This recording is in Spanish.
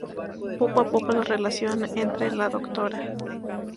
Poco a poco la relación entre la Dra.